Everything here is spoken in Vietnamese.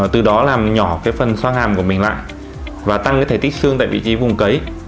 từ đó làm nhỏ cái phần xoa hàm của mình lại và tăng cái thể tích xương tại vị trí vùng cấy